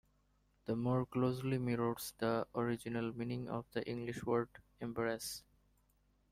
This more closely mirrors the original meaning of the English word "embarrass".